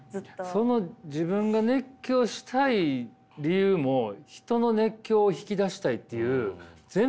その自分が熱狂したい理由も人の熱狂を引き出したいという全部自分よりも。